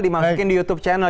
dimasukin di youtube channel